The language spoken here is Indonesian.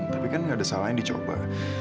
tapi kan gak ada salahin dicoba